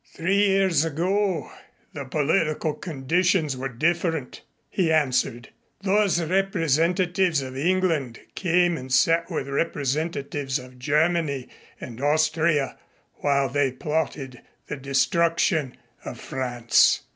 "Three years ago the political conditions were different," he answered. "Those representatives of England came and sat with representatives of Germany and Austria while they plotted the destruction of France."